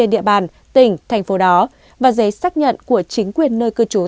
địa bàn tỉnh thành phố đó và giấy xác nhận của chính quyền nơi cư trú